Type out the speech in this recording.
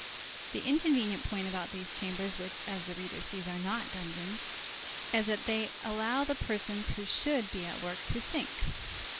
The inconvenient point about these chambers which, as the reader sees, are not dungeons, is that they allow the persons who should be at work to think.